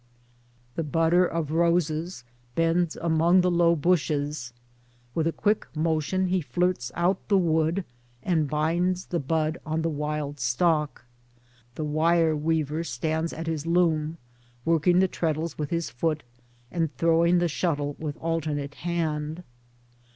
The budder of roses bends among the low bushes ; Towards Democracy 69 with a quick motion he flirts out the wood and binds the bud on the wild stock. The wire weaver stands at his loom, working the treadles with his foot and throwing the shuttle with alternate hand.